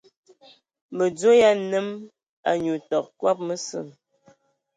Mədzo ya nnəm wa kɔbɔ, anyu tə kɔbɔ məsə.